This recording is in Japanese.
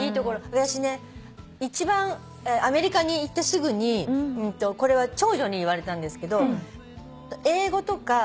私ね一番アメリカに行ってすぐにこれは長女に言われたんですけど英語とか。